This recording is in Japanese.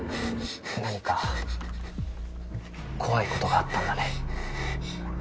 何か怖いことがあったんだね？